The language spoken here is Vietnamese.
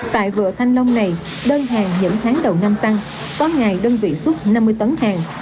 tại vựa thanh long này đơn hàng những tháng đầu năm tăng có ngày đơn vị xuất năm mươi tấn hàng